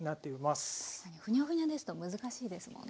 確かにフニャフニャですと難しいですもんね。